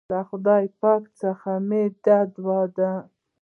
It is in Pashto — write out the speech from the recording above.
له خدای پاک څخه مي دا دعا ده